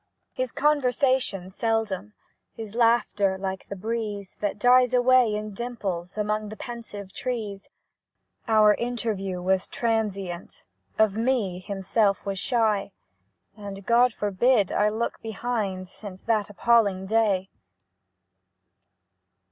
His conversation seldom, His laughter like the breeze That dies away in dimples Among the pensive trees. Our interview was transient, Of me, himself was shy; And God forbid I look behind Since that appalling day!